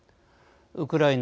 ウクライナ